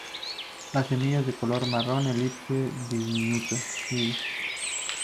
Las semillas de color marrón, elipsoide, diminutas.